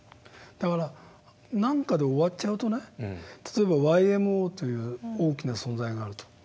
だから何かで終わっちゃうとね例えばＹＭＯという大きな存在があると。